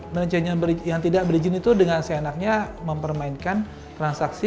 manajemen yang tidak berizin itu dengan seenaknya mempermainkan transaksi